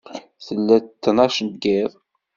Tella d ttnac n yiḍ.